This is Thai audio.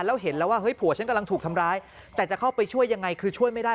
แล้วเห็นแล้วว่าเฮ้ยผัวฉันกำลังถูกทำร้ายแต่จะเข้าไปช่วยยังไงคือช่วยไม่ได้